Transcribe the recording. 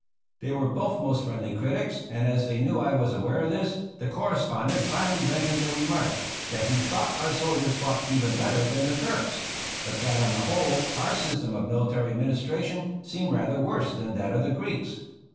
They were both most friendly critics, and as they knew I was aware of this, the correspondent finally ventured the remark, that he thought our soldiers fought even better than the Turks, but that on the whole our system of military administration seemed rather worse than that of the Greeks.